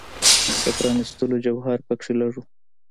د پرانیستوالي جوهر په کې لږ و.